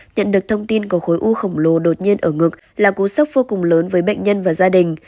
nhận được thông tin của khối u khổng lồ đột nhiên ở ngực là cú sốc vô cùng lớn với bệnh nhân và gia đình